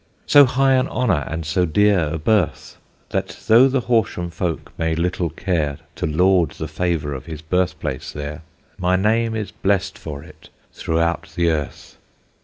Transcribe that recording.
So high an honour and so dear a birth, That, though the Horsham folk may little care To laud the favour of his birthplace there, My name is bless'd for it throughout the earth.